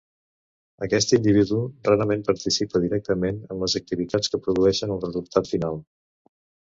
Aquest individu rarament participa directament en les activitats que produeixen el resultat final.